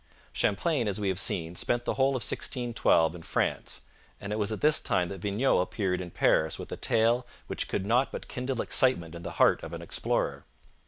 Champlain, as we have seen, spent the whole of 1612 in France, and it was at this time that Vignau appeared in Paris with a tale which could not but kindle excitement in the heart of an explorer.